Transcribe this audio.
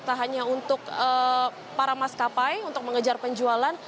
tak hanya untuk para maskapai untuk mengejar penjualan